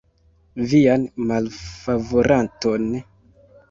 Vian malfavoraton?